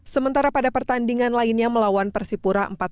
sementara pada pertandingan lainnya melawan persipura